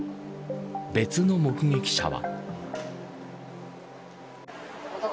別の目撃者は。